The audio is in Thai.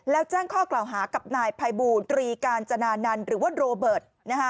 แล้วแจ้งข้อกล่าวหากับนายภัยบูรตรีกาญจนานันต์หรือว่าโรเบิร์ต